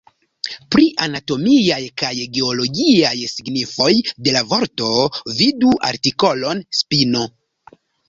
Pri anatomiaj kaj geologiaj signifoj de la vorto vidu la artikolon spino.